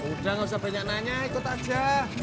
udah gak usah banyak nanya ikut aja